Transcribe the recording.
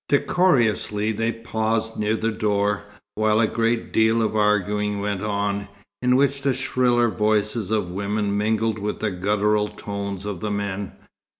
Decorously they paused near the door, while a great deal of arguing went on, in which the shriller voices of women mingled with the guttural tones of the men.